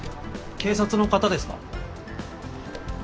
警察の方ですか？